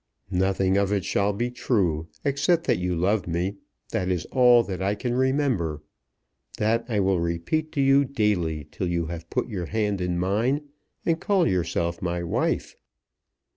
"Nothing of it shall be true, except that you love me. That is all that I can remember. That I will repeat to you daily till you have put your hand in mine, and call yourself my wife."